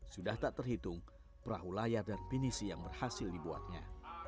sudah tak terhitung perahu layar dan pinisi yang berhasil dibuatnya